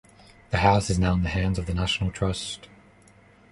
The house is now in the hands of the National Trust.